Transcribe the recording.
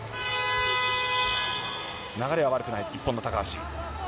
流れは悪くない、日本の高橋。